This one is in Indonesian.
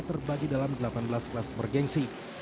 terbagi dalam delapan belas kelas bergensi